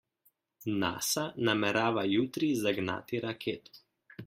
NASA namerava jutri zagnati raketo.